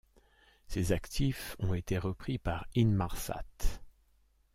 Ses actifs ont été repris par Inmarsat.